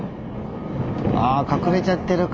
あ隠れちゃってるか。